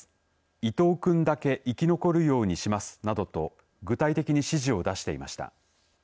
伊藤君だけ生き残れるようにしますなどと具体的に指示を出していました。